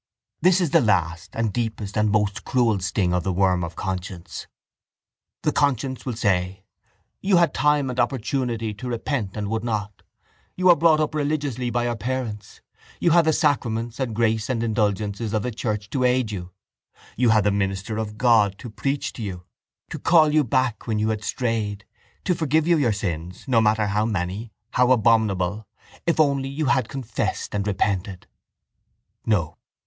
This is the last and deepest and most cruel sting of the worm of conscience. The conscience will say: You had time and opportunity to repent and would not. You were brought up religiously by your parents. You had the sacraments and grace and indulgences of the church to aid you. You had the minister of God to preach to you, to call you back when you had strayed, to forgive you your sins, no matter how many, how abominable, if only you had confessed and repented. No.